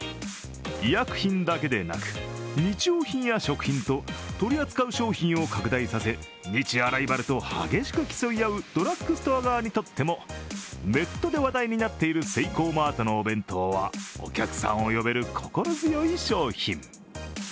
医薬品だけでなく、日用品や食品と取り扱う商品を拡大させ、日夜ライバルと激しく競い合うドラッグストア側にとってもネットで話題になっているセイコーマートのお弁当はお客さんを呼べる心強い商品。